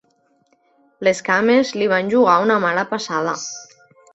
Les cames li van jugar una mala passada.